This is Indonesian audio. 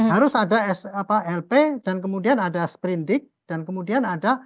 harus ada lp dan kemudian ada sprindik dan kemudian ada